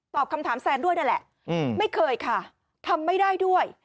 คำถามแซนด้วยนั่นแหละไม่เคยค่ะทำไม่ได้ด้วย